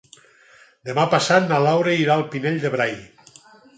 Demà passat na Laura irà al Pinell de Brai.